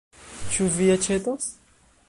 Ĉu vi aĉetos?